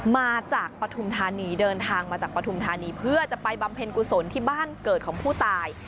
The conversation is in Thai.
มาจากปภทูมธานีเพื่อจะไปบ่มเพลงกุศลที่บ้านเกิดของผู้ตาย